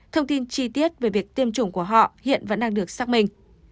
thông tin chi tiết về việc tiêm chủng của họ hiện vẫn đang được kết quả